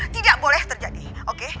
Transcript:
tidak boleh terjadi oke